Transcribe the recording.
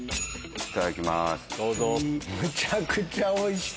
いただきます。